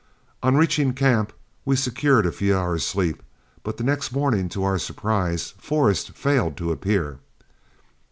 On reaching camp, we secured a few hours' sleep, but the next morning, to our surprise, Forrest failed to appear.